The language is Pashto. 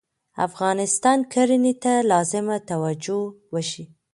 افغانستان کرهنې ته لازمه توجه وشي